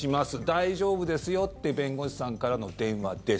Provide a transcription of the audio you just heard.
大丈夫ですよっていう弁護士さんからの電話です。